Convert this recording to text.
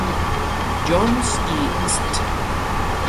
John's y St.